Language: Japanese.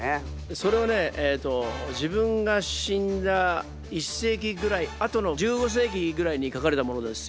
それはねえっと自分が死んだ１世紀ぐらい後の１５世紀ぐらいに書かれたものですよ。